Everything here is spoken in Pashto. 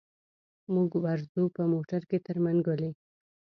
موږ ورځو په موټر کي تر منګلي.